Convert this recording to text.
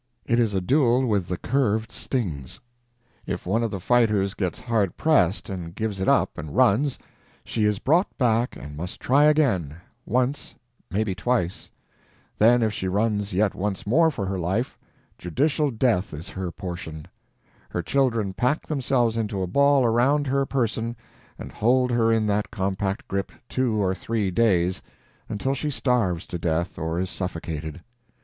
It is a duel with the curved stings. If one of the fighters gets hard pressed and gives it up and runs, she is brought back and must try again—once, maybe twice; then, if she runs yet once more for her life, judicial death is her portion; her children pack themselves into a ball around her person and hold her in that compact grip two or three days, until she starves to death or is suffocated.